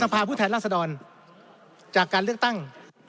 แถนสภาพุทธภัยรัศดรจากการเลือกตั้ง